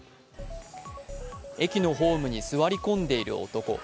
駅のホームに座り込んでいる男。